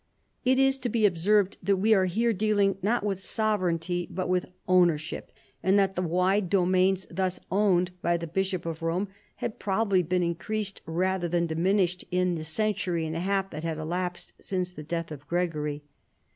It is to be observed that we are here dealing not with sovereignty bnt with ownership, and that the Avide domains thus actually o\vned b\' the Bishop of Rome had prob ably been increased rather than diminished in the cen tury and a half that had elapsed since the death of Gregory.